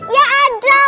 ya ada lah